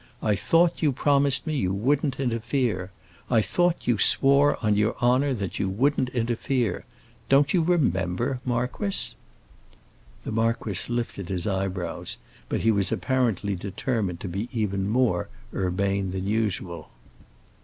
I thought you promised me you wouldn't interfere. I thought you swore on your honor that you wouldn't interfere. Don't you remember, marquis?" The marquis lifted his eyebrows; but he was apparently determined to be even more urbane than usual.